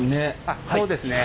あっそうですね。